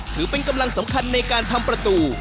ถือเป็นกำลังสำคัญในการทำประตู